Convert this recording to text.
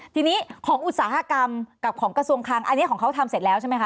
ทีนี้ของอุตสาหกรรมกับของกระทรวงคลังอันนี้ของเขาทำเสร็จแล้วใช่ไหมค